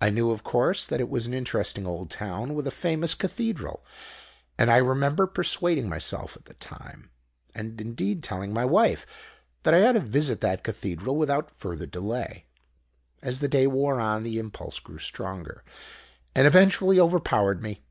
I knew, of course, that it was an interesting old town, with a famous Cathedral, and I remember persuading myself at the time, and indeed telling my wife, that I ought to visit that Cathedral without further delay. As the day wore on the impulse grew stronger, and eventually overpowered me.